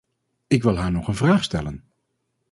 Ik wil haar nog een vraag stellen.